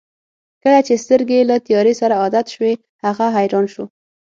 کله چې سترګې یې له تیارې سره عادت شوې هغه حیران شو.